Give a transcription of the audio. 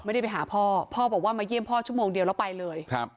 ไม่ได้ไปหาพ่อพ่อบอกว่ามาเยี่ยมพ่อชั่วโมงเดียวแล้วไปเลยครับ